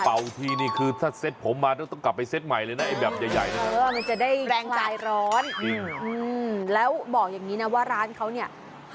เป่าทีนี่คือถ้าเซ็ตผมมาต้องกลับไปเซ็ตใหม่เลยนะแบบใหญ่นี่